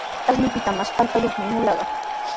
Ashnupita mas kallpayuqmi mulaqa.